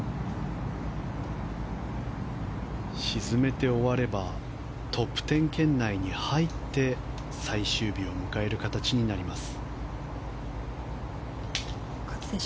沈めて終わればトップ１０圏内に入って最終日を迎える形になります。